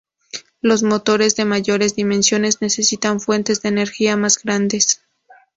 Los motores de mayores dimensiones necesitan fuentes de energía más grandes.